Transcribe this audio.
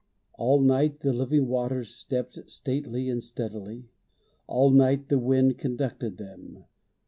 All night the living waters stepped Stately and steadily. All night the wind Conducted them.